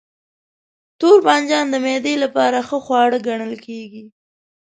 توربانجان د معدې لپاره ښه خواړه ګڼل کېږي.